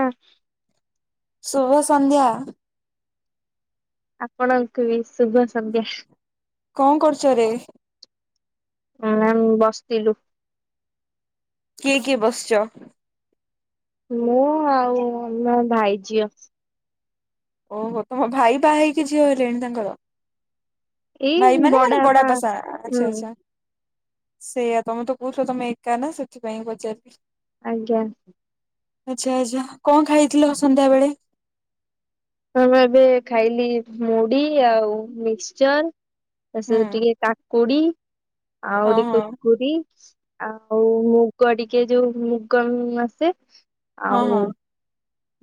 ହୁଁ। ଶୁଭ ସନ୍ଧ୍ୟା ଆପଣଙ୍କୁ ବି ଶୁଭ ସନ୍ଧ୍ୟା କଣ କରୁଛ ରେ? ହଁ ଆମ୍ ବସିଥିଲୁ। କିଏ କିଏ ବସିଛ? ମୁଁ ଆଉ ମୋ ଭାଇ ଝିଅ ଓହୋ ତମ ଭାଇ ବା ହେଇକି ଝିଅ ହେଲେଣି ତାଙ୍କର ଏଇ ଭାଇ ମାନେ ମାନେ ବଡା ବଡବାପା ପାସା ହୁଁ ଆଛା ଆଛା। ସେଇଆା ତମେ ତ କହୁଛ ତମେ ଏକା ନା ସେଥିପାଇଁ ପଚାରୁଛି ଆଜ୍ଞା। ଆଛା ଆଛା କଣ ଖାଇଥିଲ ସନ୍ଧ୍ୟା ବେଳେ? ମୁଁ ଏବେ ଖାଇଲି ମୁଢି ଆଉ ମିକ୍ସଚର ତା ହୁଁ ସେ ଟିକେ କାକୁଡି ହଁ ଆଉରି ହଁ କୁର୍କୁରି ଆଉ ମୁଗ ଟିକେ ଯୋଉ ମୁଗ ଆସେ ହଁ ଆଉ ହଁ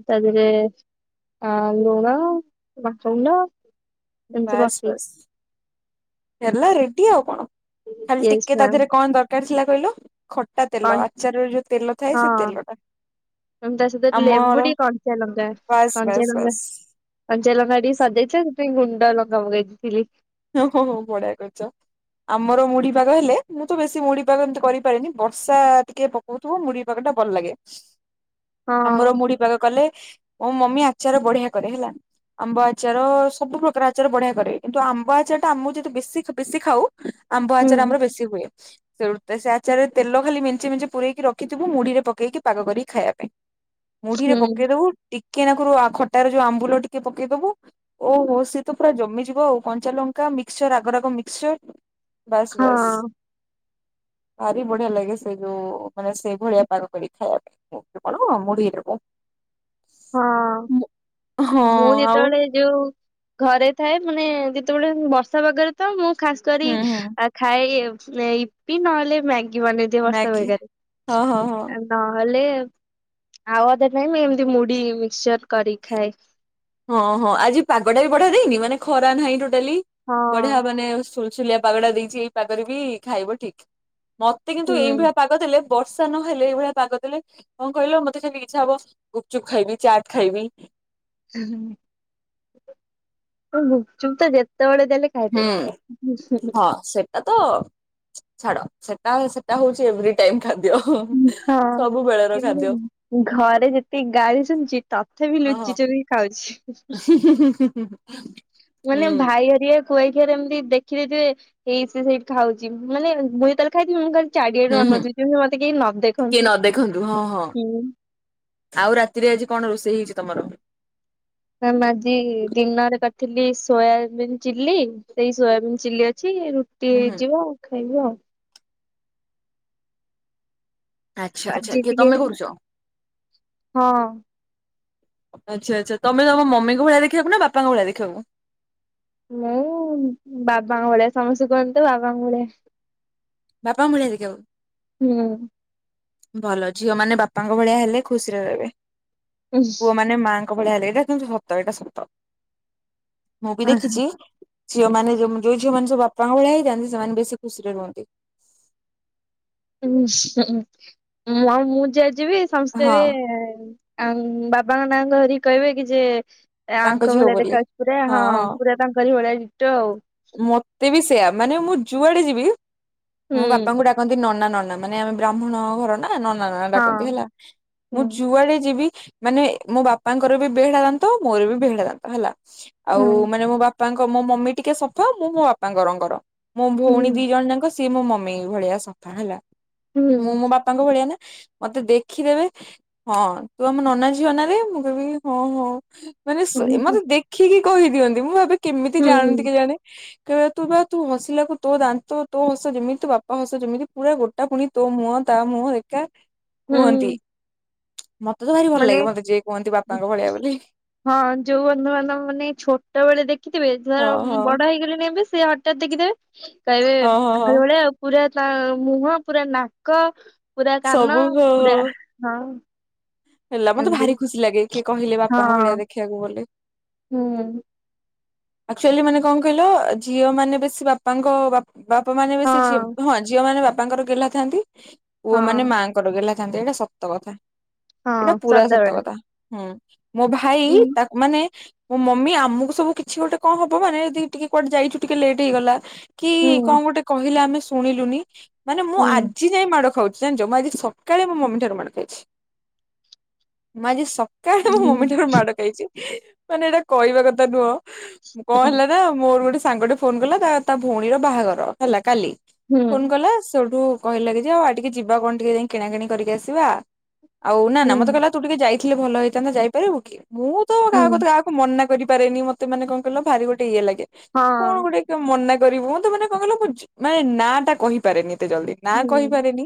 ତା ଦେହରେ ଆ ଲୁଣ ମାଖଉଣ୍ଡ ବାସ୍ ବାସ୍ ହେଲାରେ ଟିକି ଆଉ କଣ? ଖାଲି ୟେସ୍ ଟିକେ ତା ଦେହରେ କଣ ଦରକାର ଥିଲା କହିଲୁ? ଖ ହଁ, ହଁ ତେଲଟା ଏ ତା ସହିତ ଲେମ୍ବୁ ଆମର ଟିକେ କଞ୍ଚା ଲଙ୍କା ବାସ୍ କଞ୍ଚା ବାସ୍ ଲା ବାସ୍ କଞ୍ଚା ଲଙ୍କା ଟିକେ ସଜେଇଛ ଥାନ୍ତ। [unintelligible] ମୁଗାଇଥିଲି। ଓ ହୋଁ ହୋଁ ବଢିଆ କରିଛ ଆମର ମୁଢିପାଗ ହେଲେ ମୁଁ ତ ବେଶୀ ମୁଢିପାଗ ଏମିତି କରିପାରିନି ବର୍ଷା ଟିକେ ପକଉଥିବ ମୁଢି ପାଗ ଟା ଭଲ ଲାଗେ। ଆମର ହଁ ମୁଢି ପାଗ କଲେ ମୋ ମମି ଆଚାର ବଢିଆ କରେ ହେଲା। ଆମ୍ବ ଆଚାର ସବୁ ପ୍ରକାର ଆଚାର ବଢିଆ କରେ। କିନ୍ତୁ ଆମ୍ବ ଆମ୍ବ ଆଚାର ଟା ମୁଁ ଯେହେତୁ ବେଶୀ ବେଶୀ ଖାଉ ଆମ୍ବ ଆଚାର ହୁଁ ଆମର ବେଶୀ ହୁଏ। ସେ ଆଚାରରେ ତେଲ ଖାଲି ମେଞ୍ଚେ ମେଞ୍ଚେ ପୁରେଇକି ରଖିଥିବୁ ମୁଢିରେ ପକେଇକି ପାଗ କରିକି ଖାଇବା ପାଇଁ। ମୁଢିରେ ହୁଁ ପକେଇଦବୁ ଟିକ୍ ଟିକେ ନାକୁରୁ ଖଟାର ଯୋଉ ଆମ୍ବୁଲ ଟିକେ ପକେଇଦବୁ ଓହୋ ସିଏ ତ ପୁରା ଜମିଯିବ ଆଉ। କଞ୍ଚା ଲଙ୍କା ମିକ୍ସଚର ରାଗ ରାଗ ମିକ୍ସଚର ବାସ୍ ବାସ୍। ହଁ ଭାରି ବଢିଆ ଲାଗେ ସେ ଯୋଉ ମାନେ ସେଇ ଭଳିଆ ପାଗ କରିକି ଖାଇବା ପାଇଁ। କଣ ଅ ମୁଢ଼ି କଣ ହଁ ମୁଁ ଆଉ ଯେତେବେଳେ ଯୋଉ ଘରେ ଥାଏ ମାନେ ଯେତେବେଳେ ବର୍ଷା ବାଗରେ ଥାଉ ମୁଁ ଖାସ କରି ହୁଁ ହୁଁ। ଖାଏ। ଏ ଇପି ନ ହେଲେ ମାଗି। ମ୍ୟାଗି [unintelligible] ହଁ ହଁ ହଁ। ନହେଲେ ଆଉ ଅଧେ ନାଇଁ ମୁ ଏମତି ମୁଡ୍ ଡି ମିକ୍ସଚର କରି ଖାଏ। ହଁ ହଁ ଆଜି ପାଗଟା ବି ବଢୀୟା ଦେଇନି। ମାନେ ଖରା ନାହିଁ ଟୋ ଡେଲି ବଢିଆ। ହଁ [unintelligible] ସୁଲିଆ ପାଗଟା ଦେଇଛି ଏଇ ପାଗରେ ବି ଖାଇବ ଠିକ୍। ମତେ କିନ୍ତୁ ଏଇ ଭଳିଆ ପାଗ ଦେଲେ ବର୍ଷା ନହେଲେ ଏଇଭଳିଆ ପାଗ ଦେଲେ କଣ କହିଲ ମତେ ଯେମି ଇଚ୍ଛା ହବ ଗୁପଚୁପ୍ ଖାଇବି ଚାଟ୍ ଖାଇବି। ଗୁପୁଚୁପ ତ ଯେ ଯେତେ ବେଳେ ଦେଲେ ହୁଁ ଖାଇଦେବି। ହଁ ସେଟା ତ ଛାଡ ସେଟା ସେଟା ହଉଛି ଏଭ୍ରି ଟାଇମ୍। ହଁ ଖାଦ୍ୟ ଘରେ ଯେତିକି ଗାଳି ଶୁଣିଛି ତଥାପି ହଁ। ଲୁଚି ଚୁରିକି ଖାଉଛି। ହୁଁ ହୁଁ ମାନେ ଭାଇ ହେରିଆ ଖୁଆଇ ଖିଆରେ ଏମିତି ଦେଖି ଯେ ଏଇ ସେ ସେଇଠି ଖାଉଛି ମାନେ ମୁଇଁ ଯେତେବେଳେ ଖାଇଥିବି ମୁଁ ଚାରିଆଡେ ହୁଁ ଅନାଉଥିବି ଯେମିତି ମୋତେ କିଏ ନ ଦେଖନ୍ତୁ ହଁ ହୁଁ। ହଁଆଉ ରାତିରେ ଆଜି କଣ ରୋଷେଇ ହେଇଛି? ତମର ମ୍ୟାମ୍ ଆଜି ଦିନରେ କରିଥିଲି ସୋୟାବିିନ ଚିଲ୍ଲି, ସେଇ ସୋୟାବିନ ଚିଲ୍ଲି ଅଛି। ଛି ରୁଟି ହୁଁ ହୁଁ ହେଇଯିବ। [unintelligible] ଆଚ୍ଛା ଆଚ୍ଛା ଆଜି କିଏ ଟିକେ ତମେ କରୁଛ? ହଁ। ଆଛା ଆଚ୍ଛା ତମେ ତମ ମମିଙ୍କ ଭଳିଆ ଦେଖିବାକୁ ନା ବାପାଙ୍କ ଭଳିଆ ଦେଖିବାକୁ। ମୁଁ ବାବାଙ୍କ ଭଳିଆ ସମସ୍ତେ କୁହନ୍ତି ତ ବାବାଙ୍କ ଭଳିଆ। ବାପା ଙ୍କ ଭଳିଆ ଦେଖିବାକୁ। ହୁଁ। ଭଲ ଝିଅ ମାନେ ବାପାଙ୍କ ଭଳିଆ ହେଲେ ଖୁସିରେ ରହିବେ। ପୁଅ ମାନେ ମାଆଙ୍କ ଭଳିଆ ହେଲେ। ଏଇଟା କିନ୍ତୁ ସତ ଏଇାଟା ସତ। ମୁଁ ବି ଦେଖିଛି। ଝିଅମାନୋନ ଯୋଉ ଝିଅ ମାନ ସବୁ ବାପାଙ୍କ ଭଳିଆ ହେଇଥାନ୍ତି ସେମାନେ ବେଶୀ ଖୁସିରେ ରୁହନ୍ତି। ଉଁ ହୁଁ ମୁଁ ଯେ ଯିବି ସମସ୍ତେ ହଁ ଏ ବି ଆଉ ବାବାଙ୍କ ନାଁଙ୍କ ଧରିକ କହିବେ କି ଯେ ତାଙ୍କ ଆଙ୍କ ଝିଅ ଭଳିଆ ବୋଲି ଦେଖା ଅାଉଛି ପୁରା ହଁ ପୁରା ତାଙ୍କରି ଭଳିଆ ଟଓ। ତେ ବି ସେଇୟା ମାନେ ମୁଁ ଯୁଆଡେ ଯିବି ମୋ ବାପାଙ୍କୁ ଡାକନ୍ତି ନନା ନନା ମାନେ ଆମେ ବ୍ରାହ୍ମଣ ଘରର ନା ନ ନା ନ ନା ଡାକନ୍ତି ଆଉ ହେଲା ମୁଁ ହୁଁ ଯୁଆଡେ ଯିବି ମାନେ ମୋ ବାପାଙ୍କର ବି ବେହଡା ଦାନ୍ତ ମୋର ବି ବେହେଡା ଦାନ୍ତ ହେଲା। ଆଉ ହଁ ମାନେ ମୋ ବା ପା ଙ୍କ ମୋ ମମି ଟିକେ ସ ଫା ମୁଁ ମୋ ବାପାଙ୍କ ରଙ୍ଗର ମୋ ହୁଁ ଭଉଣୀ ଦି ଜଣ ଯାଙ୍କ ସେ ସିଏ ମୋ ମମି ଭଳିଆ ସଫା ହେଲା। ହୁଁ ମୁଁ ମୋ ବାପାଙ୍କ ଭଳିଆ ନା ମତେ ଦେଖିଦେବେ ହଁ ତୁ ଆମ ନନାଝିଅ ନା ରେ ମୁଁ କିବି ହଁ ହଁ। ମାନେ ହୁଁ ହୁଁ ମତେ ଦେଖିକି କହି ଦିଅନ୍ତି ମୁଁ ଭା କେମିତି ହୁଁ ଜାଣନ୍ତି ହୁଁ କେ ଜାଣି କେ ତୁ ବା ତୁ ହସିଲା କକୁ ତୋ ଦାନ୍ତ ତୋ ହସ ଯେମିତି ତୋ ବାପା ହସ ଯେମିତି ପୁରା ଗୋଟା ପୁଣି ତୋ ମୁହଁ ତା ମୁହଁ ଏକା ହୁଁ। କୁହନ୍ତି ମତେ ତ ଭାରି ଭଲ ମାନେ ଲାଗେ ମତେ ଯିଏ କୁହନ୍ତି ବାପାଙ୍କ ଭଳିଆ ବୋଲି ହଁ ଯୋଉ ବନ୍ଧୁବାନ୍ଧବ ମାନେ ଛୋଟ ବେଳେ ଦେଖିଥିବେ ହଁ ଧର ହଁ ବଡ ହେଇଗଲେଣି ଏବେ ସେ ହଠତ୍ ଦେଖିଦେବେ। କାଇବେ ହଁ ହଁ ହଁ ଆଙ୍କଲ ଭଳିଆ ଆଉ ପୁରା ମୁହଁ ପୁରା ନାକ ପୁରା ସବୁ କାନ ହଁ ପୁରା ହଁ। ହଁ ହେଲା ମତେ ଏମିତି ଭାରି ଖୁସି ଲାଗେ କିଏ କହିଲେ ହଁ ବାପାଙ୍କ ଭଳିଆ ଦେଖିବାକୁ ବଲେ ହୁଁ। ଆଚୁଆଲି ମାନେ କଣ କହିଲ ଝିଅ ମାନେ ବେଶୀ ବାପାଙ୍କ ବାପା ମାନେ ହଁ ବେଶୀ ଝିଅ ହଁ ଝିଅ ମାନ ବାପା ତାଙ୍କର ଗେ୍ଲା ଥାନ୍ତି। ହଁ ପୁଅ ମାନେ ମାଆଙ୍କର ଗେହ୍ଲା ଥାନ୍ତେ ଏଇଟା ସତ କଥା ହଁ ଏଇଟା ପୁରା ସତ ସଦାବେଳେ କଥା ହୁଁ। ମୋ ଭାଇ ହୁଁ ତା ମାନେ ମୋ ମମି ଆମକୁ ସବୁ କି ଛି ଗୋଟେ କଣ ହବାନେ ଯଦି ଟିକେ କୁଆେ ଯାଇଛୁ ଟିକେ ଲେଟ୍ ହେଇଗଲା କି ହୁଁ କଣ ଗୋଟେ କହିଲେ ଆମେ ସୁ ଶୁଣିଲୁନି ମାନେ ମୁଁ ହୁଁ ଆଜି ଯାଇ ମାଡ ଖାଉଛି ଜାଣିଛ ମୁଁ ଆଜି ସକାଳେ ମୋ ମମି ଠାରୁ ମାଡ ଖାଇଛି ମୁଁ ଆଜି ସ କାହିଁ ମୋ ହୁଁ ମମି ଠାରୁ ମାଡ ଖାଇଛି ମାନେ ଏଇଟା କହିବା କଥା ନୁହଁ। ମୁଁ କଣ ହୁଁ ହେଲା ନା ମୋର ଗୋଟେ ସା ସାଙ୍ଗଟେ ଫୋନ କଲା ତା ତା ଭଉଣୀର ବାହାଘର ହେଲା କାଲି ଫୋନ୍ ହୁଁ କାଲା ସେଠୁ ଉ କହିଲେ କି ଯେ ଆଉ ଆଉ ଟିକେ ଯିବା କଣ ଟିକେ ଯାଇ କିଣା କିିଣି କରିକି ଆସିବା ହଉ ନା ହୁଁ ମତେହଲା ତୁ ଟିକେ ଯାଇ ଦେଖେ ଭଲ ହେଇଥାନ୍ତା ଯାଇପାରିଵୁ କି? ମୁଁ ତ କାହା ହୁଁ କ କାକୁ ମନା କରିପାରେନି ମତେ କଣ କିଲ ଭାରି ଗୋଟେ ଏ ଲାଗେ କଣ ହଁ ଗୋଟେ ମନା କରିବ ମୁଁ ତ ମାନେ କଣ କହ ମୁଁ ମାନେ ନାଁ ଟା କହିପାରେନି ତେ ଜଲଦି ନା ହୁଁ କହିପାରେନି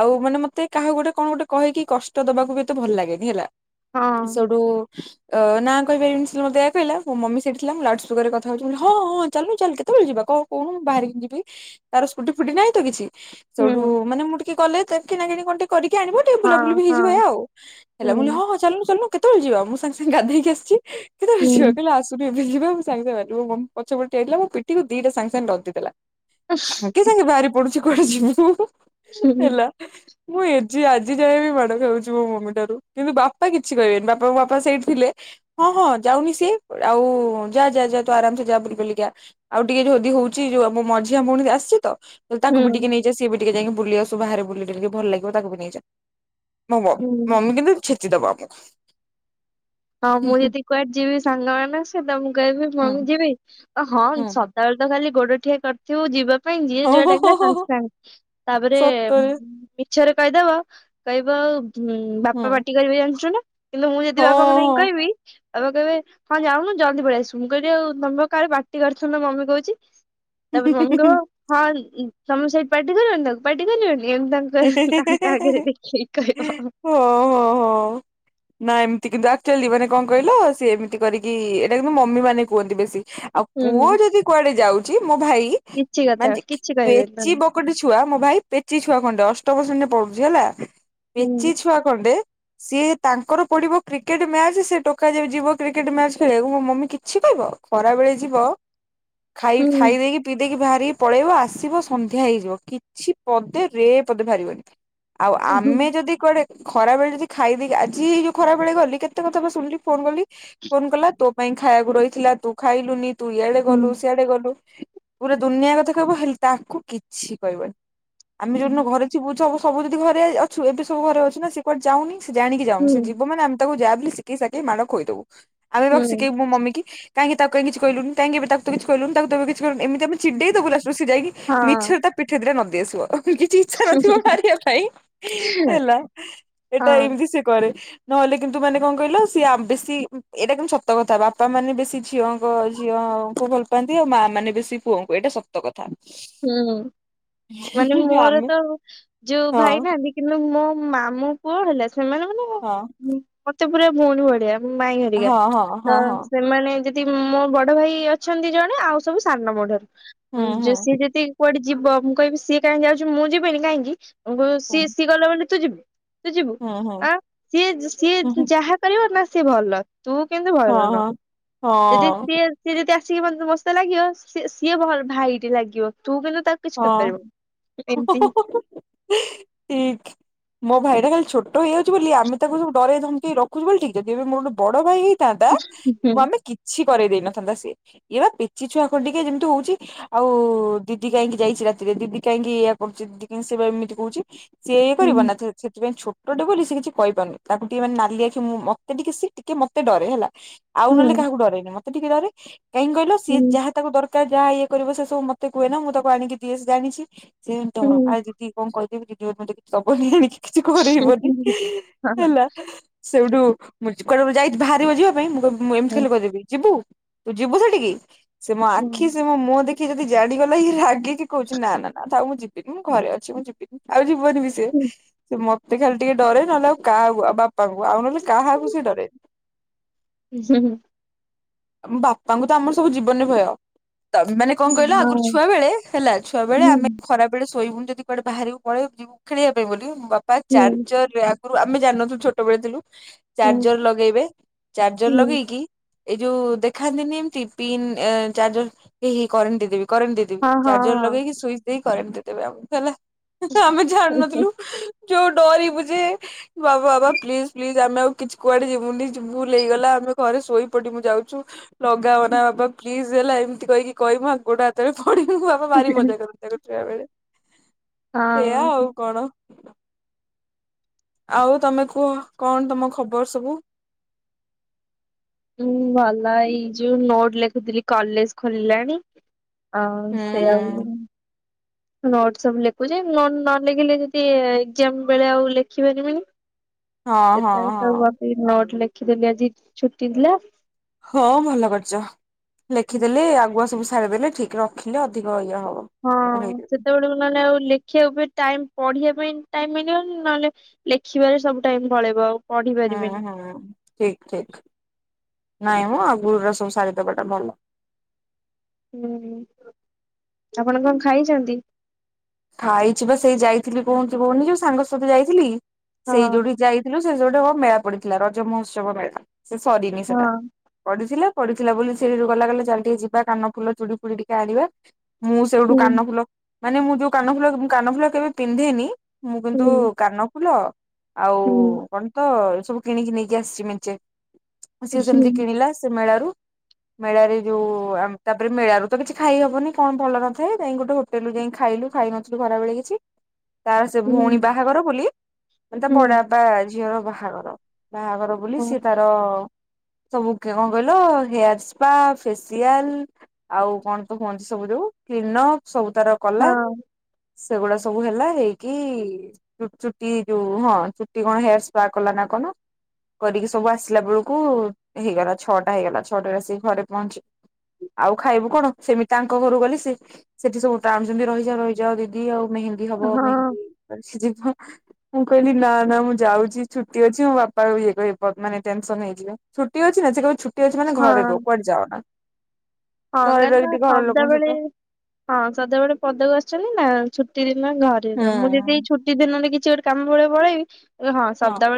ଆଉ ମାନେ ମତୋହାକୁ ଗୋଟେ କଣ ଗୋଟେ କହିକ କ ଦବାକୁ ବି ତ ଭଲ ଲାଗେନି ହେଲା ହଁ ସେଠୁ ଅ ନାଁ କହିପାରିବିନି ମୋତୋ କହିଲା ମୋ ମମି ସେଠଥିଲା ମୁ ଲାଉଡସ୍ପୁକରେ କଛି ବୋଲି ହଁ ହଁ ଚାଲୁ ଚାଲୁ କେତେବେଳେ ଯିବା କହୁଣ ମୁ ବାହାରିକି ଯି ତାର ସ୍କୁଟି ଫୁଟି ନାହିଁ ତ କିଛି ହୁଁ ସେଠୁ ମାନେ ମୁଁ କି କଲେ କିଣାଣି କଣ ଟିକିକି ଆଣିବ ଟେ ବୁଲା ହଁ ବୁଲି ବି ହଁ ହେଇଯିବ ଏଇୟା ଆଉ ହୁଁ ହଁ ଚାଲୁନୁ ଚାଲୁନୁ। କେତବେଳେ ଯ ମୁଁ ସାଙ୍ଗ ସାଙ୍ଗେ ଗାଧୋଇକି ଆସିଛି। କେତେବେଳେ ହୁଁ। ଯିବା କହିଲା ଆସୁନୁ ଏବେ ଯିବା ସାଙ୍ଗ ସାଙ୍ଗ ପଛ ପଟ ଆଇିଲ ମ ପିଠକୁ ଦିଟା ସାଙ୍ଗ ସାଙ୍ଗ ନଦୀଦେଲା। ସାଙ୍ଗେ ସାଙ୍ଗେ ବାହାରି ପଡୁଚ କୁଆଡେ ଯିବି ମୁଁ। ହୁଁ ହେଲା। ମୁଁ ଏଜି ଆଜି ଯାଏ ବି ମାଡ ଖାଉଚି ମୋ ମମି ଠାରୁ କିନ୍ତୁ ବାପା କିଛି କହିବେନି ବାପା ବାପା ସେଇଠି ଥିଲେ ହଁ ହଁ ଯାଉନି ସିଏ। ଆଉ ଯା ଯା ହା ଯା ତୁ ଆରାମସେ ଯା ପୁରା ବୁଲି ବୁଲାକି ଆ ଆଉ ଟିକେ ଯଦି ହୋଉଚି ମୋ ମଝିଆ ଭଉଣୀ ଆସିଛିତ ହୁଁ ତାକୁୁବି ଟିକେ ନେଇଯା ସେ ଟିକେ ଯାଇକି ବୁଲି ଆସୁ ବାହାରେ ବୁଲିଲେ ଟିକେ ଭଲ ଲାଗିବ ତାକୁବି ନେଇଯା। [inaudible] ହୁଁ ଦବା କଥା ହଁ ମୁଁ ଯଦି କୁଆଡେ ଯିବି ସାଙ୍ଗମା ମାନେ ସେ କହିବେ ହୁଁ କଣ କିରେ ହଁ ହୁଁ ସେତବେଳେ ତ ଖାଲି ଗୋଡ ଠିଆ କରିଥିବୁ ଯିବା ପାଇଁ ଯିଏ ହଉ ଜୁଆଡ ହଉ ହଉ ଡାକିଲା ହଉ ସାଙ୍ଗେ ହଉ ସାଙ୍ଗେ ତାପରେ ସତରେ ମିଛରେ କହିଦବ କହିବ ହୁଁ ବାପା ପାଟି କରିବେ ଜାଣିଚୁ ନା। କିନ୍ତୁ ମୁଁ ଯଦି ବା ହଁ ବାପାଙ୍କୁ ଜାଇଁକି ହଁ। କହିବି ବାପା କହିବେ ହଁ ଯାଉନୁ ଜଲ୍ଦୀ ପଳେଇ ଆସିବୁ ମୁଁ କହିଲି ଆଉ ତମେ କାଳେ ପାଟି କରୁଥିଲ ମମି କହୁଚି। ତାପରେ କଣ କଲ ହଁ ଇ ସମସ୍ତେ ପାଟି କଲେଣି ପାଟି କଲେଣି ମମି ତାଙ୍କ ତାଙ୍କ ଆଗରେ ଦେଖେଇକି କହିବ। ହଁ ହଁ ହଁ। ନା ଏମିତି କିନ୍ତୁ ଆକଚ୍ୟୁଲୀ ଯିବନିରେ କଣ କହିଲ ସେ ଏମିତି କରିକି ଏଇଟା କିନ୍ତୁ ମମି ମାନେ କୁହନ୍ତି ବେଶୀ ଆଉ ପୁଅ ହୁଁ ଯଦି କୁଆଡେ ଯାଉ [unintelligible] ଭାଇ କିଛି କଥା କିଛି କହିବେନି ପେଚିଡ ତାଙ୍କୁ ବକଟେ ଛୁଆ ମୋ ଭାଇ ତେତିଶି ବ ଖଣ୍ଡେ ଅଷ୍ଟମ ଶ୍ରେଣୀରେ ପଡୁଚି ହେଲା। ହୁଁ ପେଚିଛୁଆ ଖଣ୍ଡେ। ସିଏ ତାଙ୍କର ପଡିବ କ୍ରିକେଟ ମ୍ୟାଚ ସେ ଟୋକା ଯିବ କ୍ରିକେଟ ମ୍ୟାଚ ଖେଳିବାକୁ ମୋ ମମି କିଛି କହିବ ଖରାବେେଳେ ଯିବ ଖାଇ ହୁଁ। ଖାଇ ଦେଇକି ପି ଦେଇକି ବାହା କି ପଳେଇବ ଆସିବ ସନ୍ଧ୍ୟା ହେଇଯିବ କିଛି ପଦେ ରେ ପଦେ ବାହାରିବନି ଆଉ ହୁଁ ଆମେ ଯଦି କୁଆଡ଼େ ଖରାବେଳେ ଯଦି ଖାଇଦେଇକି ଆଜି ଯୋଉ ଖରା ବେଳେ ଗଲି କେତେ କଥା ବା ଶୁଣିଲି ଫୋନ କଲି ଫୋନ କଲା ତୋ ପାଇଁ ଖାଇବାକୁ ରହିଥିଲା ତୁ ଖାଇଲୁନି ତୁ ଇଆଡେ ହୁଁ ଗଲୁ ସିଆଡେ ଗଲୁ ପୁରା ଦୁନିଆ କଥା କହିବ ହେଲେ ତାକୁ କିଛି କହିବନି। ଆମେ ଯୋଉଦିନ ଘରେ ଥିବୁ ସବୁ ସବୁ ଯଦି ଘରେ ଅଛୁ ଏବେ ସବୁ ଘରେ ଅଛୁ ନା ସେ କୁଆଡେ ଯାଉନି ସେ ଜାଣିକି ଯାଉନି ସେ ହୁଁ ଯିବ ମାନେ ଆମେ ତାକୁ ଯାହାବି ହିଲି ଶିକେଇ ସାକେଇ ମାଡ଼ ଖୋଇଦବୁ। ଆମେ ବା ଶିଖେଇବୁ ମୋ ମମି କି କାହିଁକି ତାକୁ କାଇଁ କିଛି କହିଲୁନି କାଇଁକି ଏବେ ତ ତାକୁ କିଛି କହିଲୁନି ତାକୁ ତ ଏବେ କିଛି ଏମିତି ଆମେ ଚିଡ଼େଇ ଦବୁ ଲାଷ୍ଟକୁ ସେ ଯାଇକି ମିଛରେ ହଁ ତା ପିଠିରେ ଦିଟା ନଦିଦେବେ ବେଶ୍ ଭଲ କିଛି ଇଚ୍ଛା ନଥିବ ମାରିବା ପାଇଁ ହେଲା ଏଟା ହଁ ଏମିତି ସେ କରେ ନହେଲେ କିନ୍ତୁ ମାନେ କଣ କହିଲ ସିଏ ବେଶୀ ଏଇଟା କିନ୍ତୁ ସତ କଥା ବାପା ମାନେ ବେଶୀ ଝିଅଙ୍କ ଝିଅଙ୍କୁ ଭଲ ପାଆନ୍ତି ଆଉ ମା ମାନେ ବେଶୀ ପୁଅଙ୍କୁ ଏଇଟା ସତ କଥା। ହୁଁ ମାନେ ମୋର ଆମେ ତ ଯୋଉ ହଁ ଭାଇ ନାହାଁନ୍ତି କିନ୍ତୁ ମୋ ମାମୁଁ ପୁଅ ହେଲା ସେମାନେ ମାନେ ହଁ। ମତେ ପୁରା ଭଉଣୀ ଭଳିଆ ମାଇଁ ହେରିକା ହଁ ହଁ ତ ହଁ ହଁ ସେମାନେ ଯଦି ନ୍ତି ମୋ ବଡ ଭାଇ ଅଛନ୍ତି ଜଣେ ଆଉ ସବୁ ସାନ ମୋ ଠାରୁ ହୁଁ ହଁ ହୁଁ ଯେ ସେ ଯଦି ସିଏ କୁଆଡେ ଯିବ ମୁଁ କହିବି ସିଏ କାହିଁକି ଯାଉଛି ମୁଁ ଯିବିନି କାହିଁକି ବୋଉ କହିବ ସିଏ ସିଏ ଗଲା ବୋଲି ତୁ ଯିବୁ ତୁ ଯିବୁ ହୁଁ ହୁଁ ଆଁ ସିଏ ହୁଁ ସିଏ ଯାହା କରିବ ନା ସେ ଭଲ ତୁ କିନ୍ତୁ ହଁ ଭଲ ନୁହଁ। ହଁ ଯଦି ହଁ ସିଏ ସିଏ ଯଦି ଆସି। ସିଏ ଯଦି ମୋ ସହିତ ଲାଗିବ ସିଏ ସିଏ ଭାଇଟି ଲାଗିବ। ତୁ କିନ୍ତୁ ତାକୁ କିଛି ହଁ କରିପାରିବୁନି ଏମିତି ଠିକ। ମୋ ଭାଇଟା ଖାଲି ଛୋଟ ହେଇଯାଉଛି ବୋଲି ଆମେ ତାକୁ ସବୁ ଡରେଇ ଧମକେଇ ରଖୁଛୁ ବୋଲିି ଠିକ୍ ଯଦି ଏବେ ମୋର ବଡ ଭାଇ ହେଇ ଥାନ୍ତା ହୁଁ ମ ଆମେ କିଛି କରେଇ ଦେଇ ନଥାନ୍ତା ସିଏ, ଇଏ ବା ପେଚି ଛୁଆ ଖ ଟିକେ ଯେମିତି ହଉଛି ଆଉ ଦିଦି କାହିଁକି? ଯାଇଛି ରାତିରେ ଦିଦି କାହିଁକି ଏୟା କରୁଛି ଦିଦି କାହି ସେ ବା ଏମିତି କହୁଛି। ସିଏ ଏ କରିବ ହୁଁ ନା ଛ୍ ସେଥିପାଇଁ ଛୋ ଟୋ ଟେ ବୋଲି ସିଏ କିଛି କହିପାରୁନି, ତାକୁ ଟିକେ ମାନେ ନାଲି ଆଖି ମୁଁ ମତେ ଟିକେ ସିଏ ଟିକେ ମତେ ଡରେ ହେଲା। ଆଉ ହୁଁ ନହେଲେ କାହାକୁ ଡରେନା। ତେ ଟିକେ ଡରେ। କାହିଁକି କହିଲ ସିଏ ହୁଁ ଯାହା ତାକୁ ଦର କା ଯାହା ଇଏ କରିବ ସେ ସବୁ ମତେ କୁହେ ନା ମୁଁ ତ କୁ ଆଣିକି ଦିଏ ସେ ଜାଣିଛି। [unintelligible] ଆଜି କି କଣ କହିଦେବି କି। ଯୋଉ ପର୍ଯନ୍ତ କି ସବୁ ହି ଆଣିକି। କିଛି କରି ହେବନି ହୁଁ ହଁ ହେଲା। ସେଉଠୁ ମୁ ଜ୍ କରିବାକୁ ଯାଇ ବାହାରିବ ଜିଆ ପାଇଁ ମୁ କହିବ୍ ମୁଁ ଏମିତି ହଁ ଖାଲି କହିଦେବି, ଯିବୁ? ତୁ ଯିବୁ ସେଠିକି? ସେ ମୋ ହୁଁ ଆଖି ସେ ମୋ ମୁଁ ମୁହଁ ଦେକ୍ କିଏ ଯଦି ଜାଣିଗଲା ଇଏ ରା ଗିକି କହୁଛିି ନା-ନା-ନା ଥାଉ ମୁଁ ଯିବିନି ମୁଁ ଘରେ ଅଛି ମୁଁ ଯିବିନି ଆଉ ଯି କୁହେନି ବି ସେ ହୁଁ ହୁଁ ସେ ମ ତେ ଖାଲି ଟିକେ ଡରେ ନହେଲେ ଆଉ କାହାକୁ ଆଉ ବାପ୍ ପାଙ୍କୁ ଆଉ ନହେଲେ କାହାକୁ ସେ ଡରେ ମ୍ ବାପାଙ୍କୁ ତ ଆମର ସବୁ ଜୀବନରେ ଭୟ। ତ ମାନେ କଣ କହିଲ ହଁ ଆଗୁରୁ ଛୁଆ ବେଳେ ହେଲା ଛୁଆ ବେଳେ ହୁଁ ଆମେ ଖରା ବେଳେ ଶୋଇବୁ। ଯଦି କୁଆଡେ ବାହାରିବୁ ପଳେଇ ଯିବୁ ଖେଳିବା ପାଇଁ ବୋଲି ବାପା ହୁଁ ହୁଁ ହୁଁ ଚାରଜର ଲ୍ୟାଗ୍ ରୁ ଆମେ ଜାଣି ନ ଥିଲୁ ଛୋଟବେଳେ ଥିଲୁ। ହଁ ହଁ ଚାର୍ଜର ଲଗେଇବେ ଚାର୍ଜର ଲଗେଇକି ଏଇ ଯୋଉ ଦେଖାନ୍ତିନି ଏମତି ପିନ୍ ଏ ଚାର୍ଜର ଏହେ କରେଣ୍ଟ ଦେଇଦେବି। କରେଣ୍ଟ ଦେଇଦେବି ଚାର୍ଜର ଲଗେଇକି ସୁଇଚ ଦେଇକି କରେଣ୍ଟ ଦେଇଦେବି ଆଉ ହେଲା। ଆମେ ଜାଣୁ ହଁ ନଥିଲୁ। ଯୋଉ ଡରିବୁ ଯେ ବାବା ବାବା ପ୍ଲିଜ୍ ପ୍ଲିଜ୍ ଆମେ ଆଉ କିଛି କୁଆଡେ ଯିବୁନି ଯି ଭୁଲ୍ ହେଇଗଲା ଆମେ ଘରେ ଶୋଇ ପଡିବୁ। ଯାଉଛୁ ଲଗାଅ ନା ବାବା ପ୍ଲିଜ୍ ହେଲା ଏମିତି କହିକି କହିବୁ ଆ ଗୋଟେ ହାତରେ ଥ [unintelligible] ତୋ ବାପା ଭାରି ହଁ ମଜା କରନ୍ତି ତାଙ୍କ ଛୁଆ ବେଳେ। ସେଆ ଆଉ କଣ? ଆଉ ତମେ କୁହ, କଣ ତମ ଖବର ସବୁ? ଉଁ ଭଲ, ଏଇ ଯୋଉ ନୋଟ ଲେଖୁଥିଲି କଲେଜ ଖୋଲିଲାଣି। ହଁ ହୁଁ ସେ ଆଉ ନୋଟ ସବୁ ଲେଖୁଚି, ନ ନା ଲେଖିଲେ ଯଦି ଏକ୍ଜାମ ବେଳେ ଆଉ ଲେଖିବାରି ବିନି। ହଁ ଏତ ହଁ ସ ହଁ ବାକି ନ ଲେ ଦେଖିଦେଲି ଆଜି ଛୁଟି ଥିଲା। ହଁ ଭଲ କରିଚ, ଲେଖିଦେଲେ ଆଗୁଆ ସବୁ ଛାଡ ଦେଲେ ଠିକ ରଖିଲେ ଅଧିକ ହେଇ ହଁ, ସେତେବେଳେ ନଏଲେ ଆଉ ଲେଖିବାକୁ ବି ଟାଇମ ପଢିବା ପାଇଁ ଟାଇମ ମିଳିବ, ନହେଲେ ଲେଖିବାରେ ସବୁ ଟାଇମ ପଳେଇବ ଆଉ। ପଢି ହୁଁ, ପାରିବିନି। ହୁଁ ଠିକ ଠିକ। ନାଇ ମ, ଆଗୁରୁ ଅ ସବୁ ସାରିଦବାଟା ଭଲ। ହୁଁ, ଆପଣ କଣ ଖାଇଚନ୍ତି? ଖାଇଚି ବା ସେଇ ଯାଇଥିଲି କହଠି କହୁନି ଯୋଉ ସାଙ୍ଗ ସଥ ଯାଇଥିଲି। ସେଇ ହଁ ଯୋଉଠି ଯାଇଥିଲୁ। ଯଉଟା କଣ ମେଳା ପଡିଥିଲା, ରଜ ମହୋତ୍ସବ ମେଳା। ସେ ସରିନି ସେଟା, ହଁ ପଡିଥିଲେ। ପଡିଥିଲା ବୋଲି ସେ ଯଉ, ଗଲା ଗଲେ ଚାଲ ଟିକେ ଯିବା କାନ ଫୁଲ ଚୁଡ଼ି ଫୁଡି ଟିକେ ଆଣିବା। ମୁଁ ସେଉଠୁ ହୁଁ କାନ ଫୁଲ ମାନେ ମୁଁ ଯଉ। କାନଫୁଲ କାନଫୁଲ କେବେ ପିନ୍ଧେନି। ମୁଁ କିନ୍ତୁ ହୁଁ କାନ ଫୁଲ ଆଉ କଣ ତ ସବୁ କିଣିକି ନେଇକି ଆସିଚି ମେଞ୍ଚେ। ସିଏ ସେମିତି ହୁଁ। କିଣିଲା ସେ ମେଳାରୁ। ମେଳାରେ ଯଉ, ଉ-ଉ ତାପରେ ମେଳାରୁ ତ କିଛି ଖାଇ ହବନି କଣ ଭଲ ନଥାଏ ଯାଇ ଗୋଟେ ହୋଟେଲରୁ ଯାଇ ଖାଇଲୁ। ଖାଇ ନଥିଲୁ ଖରାବେେଳେ କିଛି, ତାର ସେ ଭଉଣୀ ବାହାଘର ବୋଲି ମାନେ ତା ହୁଁ ବଡାପା ଝିଅର ବାହାଘର। ବାହାଘର ବୋଲି ହଁ ସିଏ ତାର ସବୁ କି କଣ କହିଲ, ହେୟାର ସ୍ପା ଫେସିଆଲ ଆଉ କଣ ତ କୁହନ୍ତି ସବୁ ଯଉ କ୍ଲିନ ଅପ୍ ସବୁ ତାର କଲା ସେଗୁଡା ସବୁ ହେଲା ହେଇକି ଚୁଟି ଯୋଉ ହଁ ଚୁଟି କଣ ହେୟାର ସ୍ପା କଲା ନା କଣ କରିକି ସବୁ ଆସିଲା ବେଳକୁ ହେଇଗଲା ଛଅଟା ହେଇଗଲା ଛଅଟା ଆସିକି ଘରେ ପହଞ୍ଚି ଆଉ ଖାଇବୁ କଣ ସେମିତି ତାଙ୍କ ଘରୁ ଗଲି ସି ସେଠି ସବୁ ଟାଣୁଛନ୍ତି ରହିଯା ରହି ଯା ଦିଦି ଆଉ ମେହେନ୍ଦୀ ହବ ମେହେନ୍ଦୀ ସିଜି ମୁଁ କହିଲି ନା ନା ମୁଁ ଯାଉଛି ଛୁଟି ଅଛି ମୋ ବାପା ଇଏ କହ ମାନେ ଟେନସନ ହେଇଯିବେ ଛୁଟି ଅଛି ନା ସେ କହିବେ ଛୁ ଟି ଅଛି ମାନ ଘରେ ରୁହ କୁଆଡେ ଯାଅ ନା। ହଁ କାହିଁକି ନା ଲୋକଙ୍କ ସଦାବେେଳେ ସହିତ ହଁ ସଦାବେଳେ ପଦାକୁ ଆସି ଚି ନା ଛୁଟିରେ ନା ଘରେ ହୁଁ ନା ମୁଁ ଯଦି ଏଇ ଛୁଟି ଦିନରେ କି କି ଗୋଟେ କାମ ଭଳିବ ପଳେଇବି ହଁ ସଦାବେଳେ